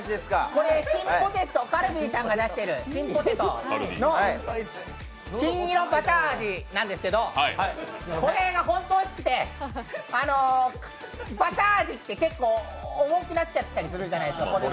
これ、シンポテトカルビーさんが出してるの、金色バター味なんですけどこれがホントおいしくてバター味って結構重くなっちゃったりするじゃないですか。